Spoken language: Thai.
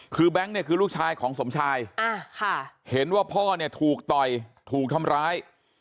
คือแบงค์เนี่ยคือลูกชายของสมชายเห็นว่าพ่อเนี่ยถูกต่อยถูกทำร้าย